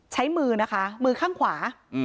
ใช้มือนะคะมือข้างขวา